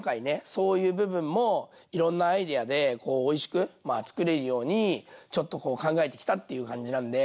そういう部分もいろんなアイデアでこうおいしく作れるようにちょっとこう考えてきたっていう感じなんで。